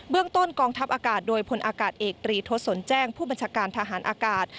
ต้นกองทัพอากาศโดยพลอากาศเอกตรีทศนแจ้งผู้บัญชาการทหารอากาศ